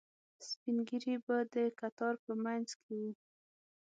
سپینږیري به د کتار په منځ کې وو.